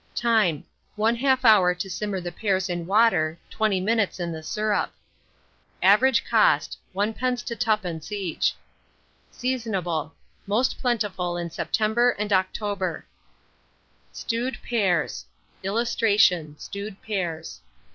Time. 1/2 hour to simmer the pears in water, 20 minutes in the syrup. Average cost, 1d. to 2d. each. Seasonable. Most plentiful in September and October. STEWED PEARS. [Illustration: STEWED PEARS.